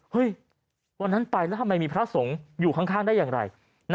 วันนั้นไปแล้วทำไมมีพระสงฆ์อยู่ข้างได้อย่างไร